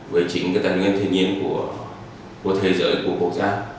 về chính tài nguyên thiên nhiên của thế giới của quốc gia